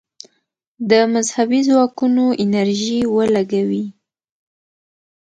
د مذهبي ځواکونو انرژي ولګوي.